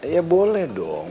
ya boleh dong